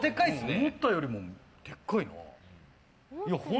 思ったよりもでかいな。